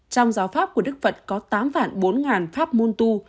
trong giáo pháp của đức phật có tám bốn trăm linh pháp môn tu